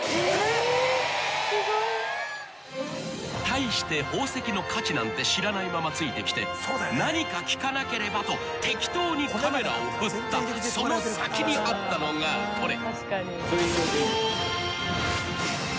［大して宝石の価値なんて知らないままついてきて何か聞かなければと適当にカメラを振ったその先にあったのがこれ］